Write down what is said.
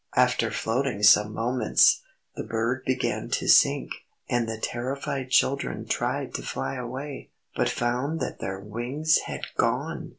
After floating some moments, the bird began to sink, and the terrified children tried to fly away, but found that their wings had gone!